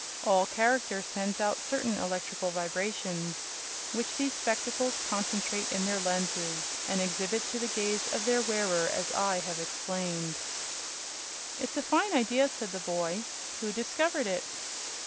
All character sends out certain electrical vibrations, which these spectacles concentrate in their lenses and exhibit to the gaze of their wearer, as I have explained." "It's a fine idea," said the boy; "who discovered it?"